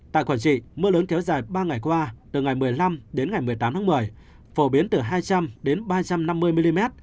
tại quảng trị mưa lớn kéo dài ba ngày qua từ ngày một mươi năm đến ngày một mươi tám tháng một mươi phổ biến từ hai trăm linh đến ba trăm năm mươi mm